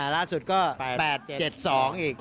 ล่าสุดก็๘๗๒อีก